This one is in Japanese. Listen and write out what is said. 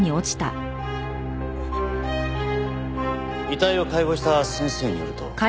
遺体を解剖した先生によると。